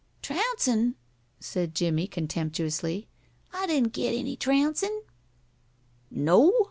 "Trouncin'!" said Jimmie, contemptuously. "I didn't get any trouncin'." "No?"